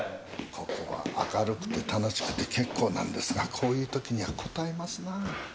ここは明るくて楽しくて結構なんですがこういうときにはこたえますな。